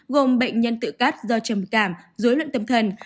gồm bệnh nhân tự cắt do trầm cảm dối loạn tâm thần